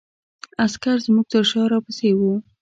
عسکر زموږ تر شا را پسې وو.